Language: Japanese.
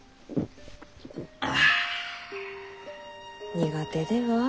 苦手では？